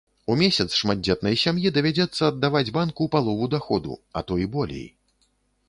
У месяц шматдзетнай сям'і давядзецца аддаваць банку палову даходу, а то і болей.